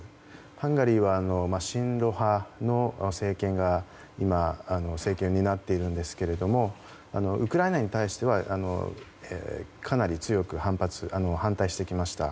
ハンガリーは親露派の政権を担っているんですけどもウクライナに対してはかなり強く反対してきました。